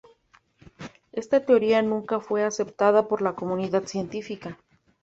Esta teoría nunca fue aceptada por la comunidad científica.